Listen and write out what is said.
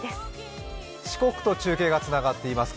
四国と中継がつながっています。